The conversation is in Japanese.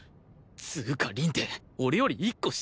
つうか凛って俺より１個下だよな！？